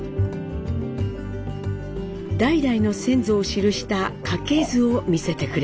代々の先祖を記した家系図を見せてくれました。